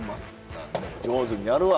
上手にやるわ。